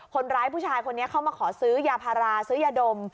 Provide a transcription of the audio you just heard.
คนร้ายผู้ชายคนนี้เข้ามาขอซื้อยาพาราซื้อยาดม